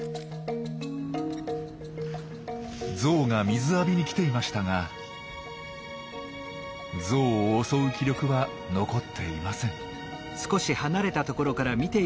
ゾウが水浴びに来ていましたがゾウを襲う気力は残っていません。